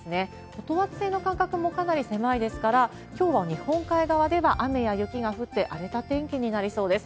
等圧線の間隔もかなり狭いですから、きょうは日本海側では雨や雪が降って、荒れた天気になりそうです。